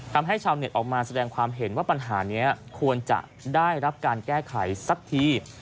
ทำให้ชาวเน็ตออกมาแสดงความเห็นว่าปัญหานี้ควรจะได้รับการแก้ไขสักที